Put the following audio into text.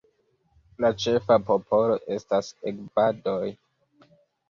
La ĉefa popolo estas Egbadoj.